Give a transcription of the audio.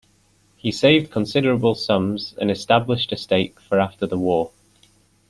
He saved considerable sums and established a stake for after the war.